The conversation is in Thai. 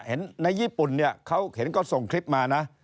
ในญี่ปุ่นเนี่ยเขาเห็นก็ส่งคลิปมานะ